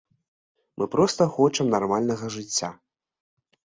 Мы проста хочам нармальнага жыцця.